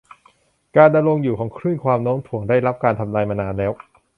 การดำรงอยู่ของคลื่นความโน้มถ่วงได้รับการทำนายมานานแล้ว